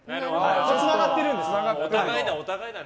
つながっているんです。